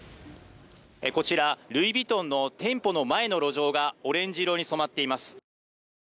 こちら、ルイ・ヴィトンの店舗の前の路上がオレンジ色に染まっています。